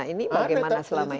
ini bagaimana selama ini